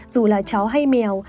dù là chó hay mèo